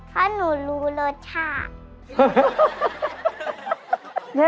เพราะหนูรู้รสชาติ